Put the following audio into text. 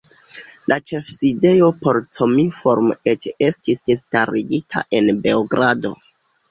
La ĉefsidejo por Cominform eĉ estis starigita en Beogrado.